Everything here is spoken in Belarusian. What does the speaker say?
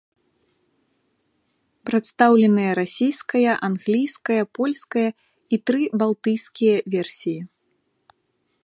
Прадстаўленыя расійская, англійская, польская і тры балтыйскія версіі.